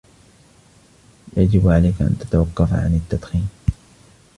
يجب عليك أن تتوقف عن التدخين.